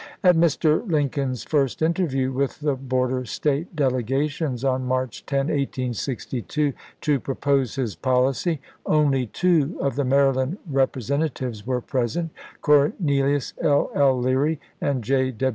At Mr. Lincoln's first interview with the border State delegations on March 10, 1862, to propose his policy, only two of the Maryland Eepresenta tives were present, Cornelius L. L. Leary and J.